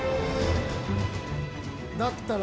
だったら